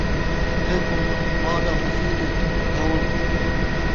ان٘دھے کوں ما دا مسیت اِچ ٻلہاوݨ